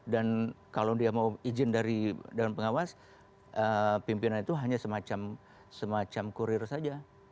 dan kalau dia mau izin dari pengawas pimpinan itu hanya semacam kurir saja